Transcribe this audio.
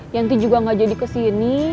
yanti juga gak jadi kesini